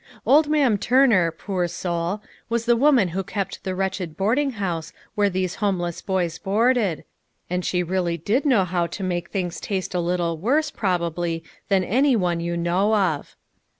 Old Ma'am Turner, poor soul, was the woman who kept the wretched boarding house where these homeless boys boarded, and she really did know how to make things taste a little worse, probably, than any one you know of.